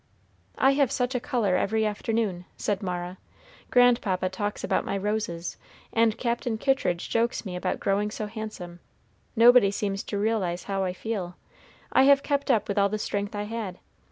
"I have such a color every afternoon," said Mara. "Grandpapa talks about my roses, and Captain Kittridge jokes me about growing so handsome; nobody seems to realize how I feel. I have kept up with all the strength I had.